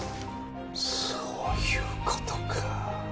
そういうことか。